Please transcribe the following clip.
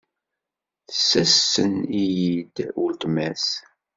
Tessansen-iyi-d uletma-s.